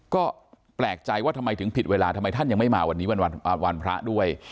ก็แปลกใจว่าทำไมถึงผิดเวลาทำไมท่านยังไม่มาวันนี้วันพระด้วย